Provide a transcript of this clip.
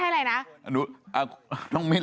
เข้าบ้านกันคืน